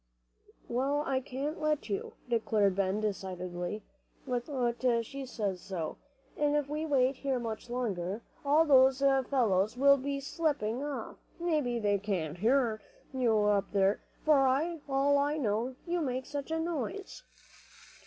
"Well, I can't let you," declared Ben, decidedly, "without she says so; and if we wait here much longer, all those fellows will be slipping off, maybe. They can hear you up there, for all I know, you make such a noise."